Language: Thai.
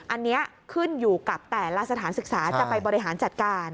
อันนี้ขึ้นอยู่กับแต่ละสถานศึกษาจะไปบริหารจัดการ